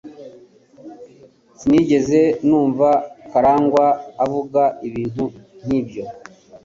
Sinigeze numva karangwa avuga ibintu nkibyo.